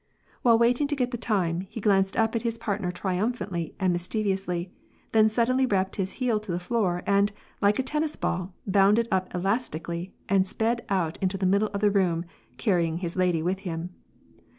While waiting to get the time, he glanced up at his partner triumphantly and mischievously, then suddenly rapped his heel on the floor, and, like a tennis ball, bounded up elastically, and sped out into the middle of the room, carrying his lady with him.